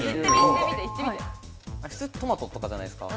トマトとかじゃないですか？